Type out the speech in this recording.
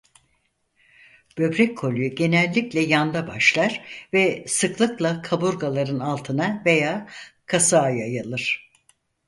Böbrek koliği genellikle yanda başlar ve sıklıkla kaburgaların altına veya kasık'a yayılır.